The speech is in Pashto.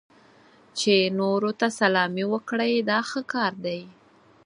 چې نورو ته سلامي وکړئ دا ښه کار دی.